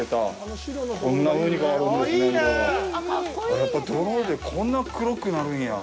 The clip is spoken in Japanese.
やっぱり、泥でこんな黒くなるんや。